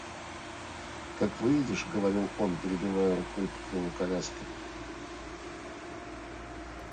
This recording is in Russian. Как выедешь... — говорил он, перебивая рукой по крылу коляски.